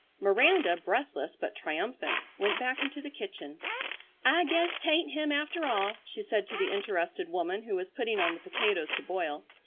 Miranda, breathless, but triumphant, went back into the kitchen: "I guess 'tain't him after all," she said to the interested woman who was putting on the potatoes to boil.